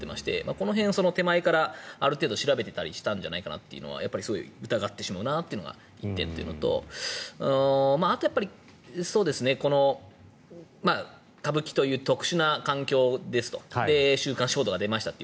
この辺、手前からある程度調べていたんじゃないかなというのがすごい疑ってしまうなというのが１点とあとはやっぱり歌舞伎という特殊な環境ですと週刊誌報道が出ましたと。